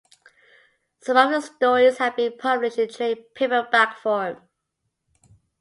Some of the stories have been published in trade paperback form.